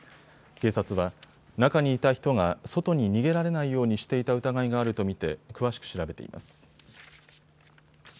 警察は、中にいた人が外に逃げられないようにしていた疑いがあると見て詳しく調べています。